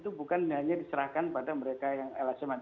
itu bukan hanya diserahkan pada mereka yang lhm an